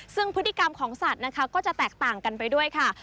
ซึ่งพฤติกรรมของสัตว์นะคะก็จะแตกต่างกันไปด้วยค่ะ